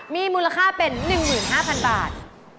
มีมูลค่าเป็น๑๕๐๐๐บาท